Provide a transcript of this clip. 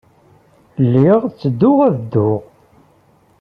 Lliɣ ttedduɣ ad dduɣ.